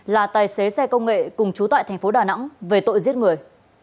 là tài xế xe công nghệ cùng chú tại tp đà nẵng về tội giết người